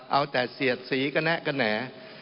เอาแต่เสียดสีกระแนะกระแหน่